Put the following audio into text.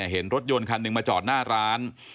เห็นรถยนต์คันหนึ่งมาจอดหน้าร้าน